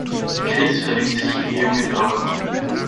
Chris verliebt sich in die junge Frau.